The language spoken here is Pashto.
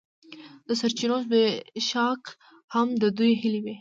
د سرچینو زبېښاک هم د دوی هیلې وې.